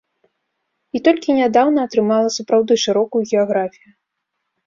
І толькі нядаўна атрымала сапраўды шырокую геаграфію.